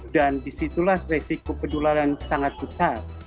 dan disitulah risiko penularan sangat besar